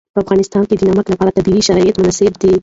په افغانستان کې د نمک لپاره طبیعي شرایط مناسب دي.